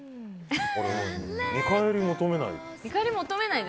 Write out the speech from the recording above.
見返り求めない？